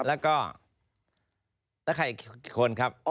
แล้วใครอีกกี่คนครับ